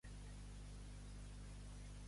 Em dic Martí Oya: o, i grega, a.